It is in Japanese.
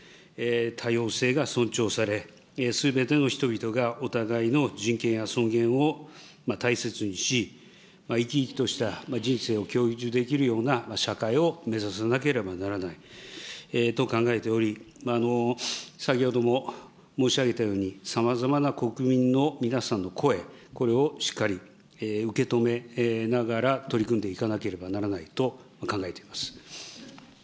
多様性が尊重され、すべての人々がお互いの人権や尊厳を大切にし、生き生きとした人生を享受できるような社会を目指さなければならないと考えており、先ほども申し上げたように、さまざまな国民の皆さんの声、これをしっかり受け止めながら取り組んでいかなければならないと考えています。